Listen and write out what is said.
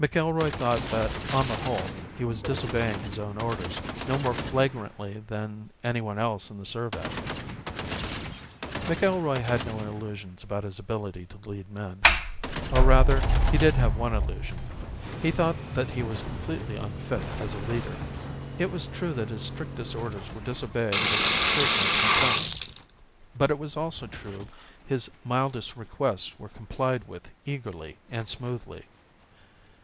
McIlroy thought that on the whole, he was disobeying his own orders no more flagrantly than anyone else in the survey. McIlroy had no illusions about his ability to lead men. Or rather, he did have one illusion; he thought that he was completely unfit as a leader. It was true that his strictest orders were disobeyed with cheerful contempt, but it was also true his mildest requests were complied with eagerly and smoothly.